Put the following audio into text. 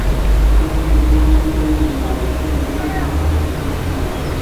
Eloy Piña, reconocido profesor de atletismo en Cabimas.